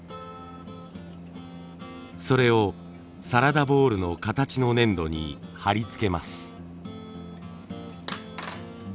それをサラダボウルの形の粘土に貼り付けます。